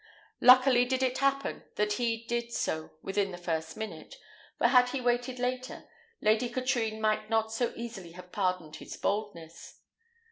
Luckily did it happen that he did so within the first minute; for, had he waited later, Lady Katrine might not so easily have pardoned his boldness.